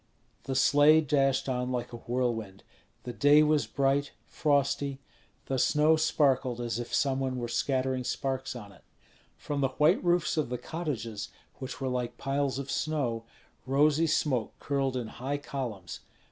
The sleigh dashed on like a whirlwind. The day was bright, frosty; the snow sparkled as if some one were scattering sparks on it. From the white roofs of the cottages, which were like piles of snow, rosy smoke curled in high columns.